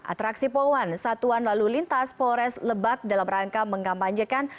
atraksi poluan satuan lalu lintas polres lebak dalam rangka mengkampanyekan